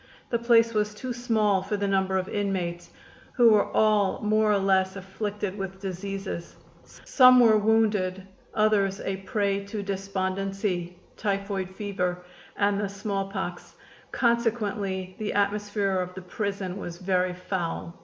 The place was too small for the number of inmates, who were all more or less afflicted with diseases. Some were wounded, other a prey to despondency, typhoid fever and the smallpox; consequently the atmosphere of the prison was very foul.